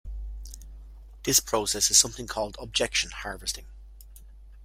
This process is sometimes called "objection harvesting".